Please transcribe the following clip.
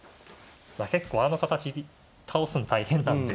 結構あの形倒すの大変なんで。